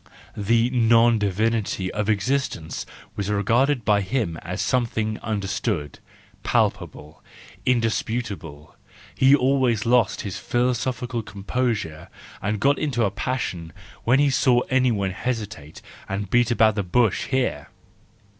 The non divinity THE JOYFUL WISDOM, V 308 of existence was regarded by him as something understood, palpable, indisputable ; he always lost his philosophical composure and got into a passion when he saw anyone hesitate and beat about the bush here.